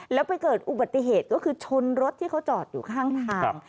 แล้วไปเกิดอุบัติเหตุก็คือชนรถที่เขาจอดอยู่ข้างทาง